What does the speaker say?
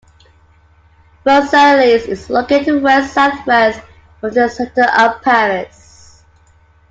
Versailles is located west-southwest from the centre of Paris.